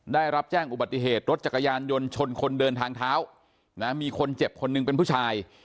ได้รับแจ้งอุบัติเหตุรถจักรยานยนต์ชนคนเดินทางเท้านะมีคนเจ็บคนหนึ่งเป็นผู้ชาย